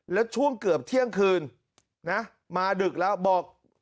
แล้วช่วงเกือบเที่ยงคืนนะมาดึกแล้วบอก